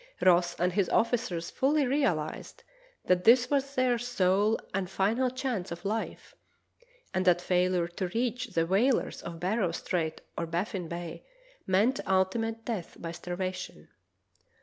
Ross and his officers fully realized that this was their sole and final chance of life, and that failure to reach the whalers of Barrow Strait or Baffin Bay meant ultimate death by starvation.